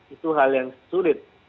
itu hal yang sulit